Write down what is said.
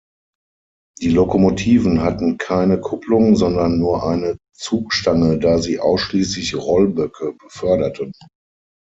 Die Lokomotiven hatten keine Kupplung, sondern nur eine Zugstange, da sie ausschließlich Rollböcke beförderten.